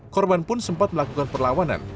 korban pun sempat melakukan perlawanan